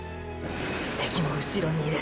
敵もうしろにいる。